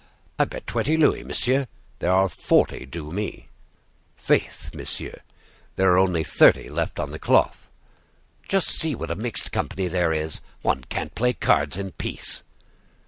"I bet twenty louis, monsieur; there are forty due me." "Faith, monsieur; there are only thirty left on the cloth." "Just see what a mixed company there is! One can't play cards in peace."